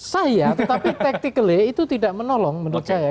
saya tetapi tactically itu tidak menolong menurut saya